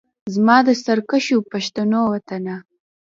زما د سرکښو پښتنو وطنه